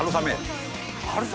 春雨。